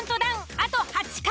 あと８回。